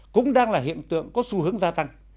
cũng đang là hiện tượng có xu hướng gia tăng